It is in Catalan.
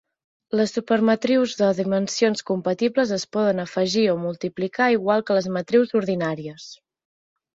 Les supermatrius de dimensions compatibles es poden afegir o multiplicar igual que les matrius ordinàries.